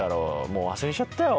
もう忘れちゃったよ。